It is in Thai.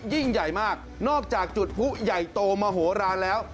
ยิ่งใหญ่มากนอกจากจุดผู้ใหญ่โตมโหลานแล้ว